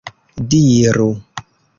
diru